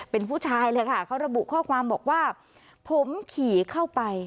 เป็นผู้ชายเลยค่ะเขาระบุข้อความบอกว่าผมขี่เข้าไป